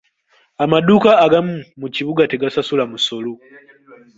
Amaduuka agamu mu kibuga tegasasula musolo.